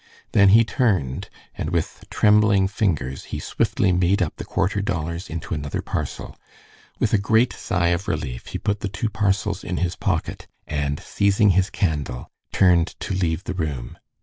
Then he turned, and with trembling fingers he swiftly made up the quarter dollars into another parcel. With a great sigh of relief he put the two parcels in his pocket, and seizing his candle turned to leave the room.